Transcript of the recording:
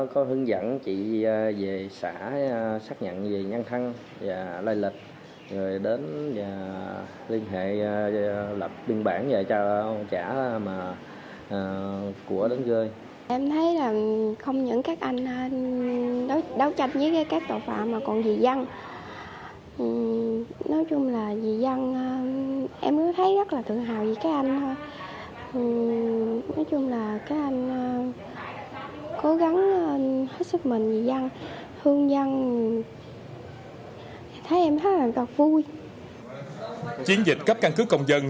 chiến dịch cấp căn cứ công dân